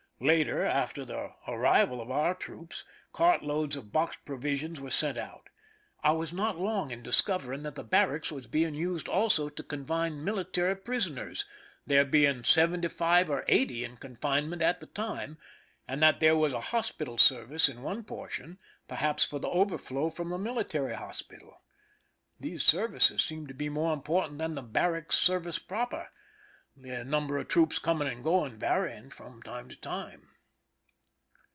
Later, after the arrival of our troops, cart loads of boxed provi sions were sent out. I was not long in discover 229 THE SINKING OF THE "MEREIMAC" ing that the barracks was being used also to confine military prisoners, there being seventy five or eighty in confinement at the time, and that there was a hospital service in one portion, perhaps for the overflow from the military hospital. These services seemed to be more important than the barrack ser vice proper, the number of troops coming and going varying from time to time.